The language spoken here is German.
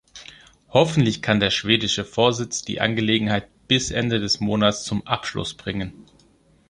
Hoffentlich kann der schwedische Vorsitz die Angelegenheit bis Ende des Monats zum Abschluss bringen.